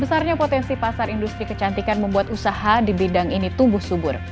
besarnya potensi pasar industri kecantikan membuat usaha di bidang ini tumbuh subur